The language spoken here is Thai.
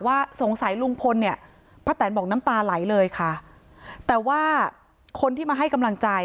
ว่าสงสัยลุงพลเนี่ยป้าแตนบอกน้ำตาไหลเลยค่ะแต่ว่าคนที่มาให้กำลังใจ